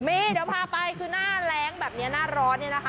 มีเดี๋ยวพาไปคือหน้าแรงแบบนี้หน้าร้อนเนี่ยนะคะ